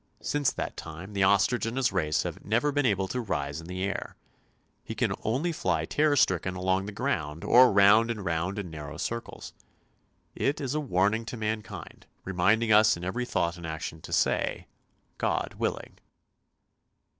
Since that time the ostrich and his race have never been able to rise in the air ; he can only fly terror stricken along the ground, or round and round in narrow circles. It is a warning to mankind, reminding us in every thought and action to say " God willing!